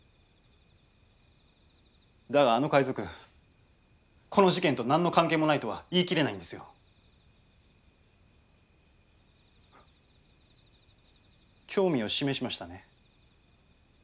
だがあの海賊この事件と何の関係もないとは言い切れないんですよ。興味を示しましたね。